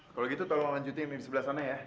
kalau gitu tolong lanjutin yang di sebelah sana ya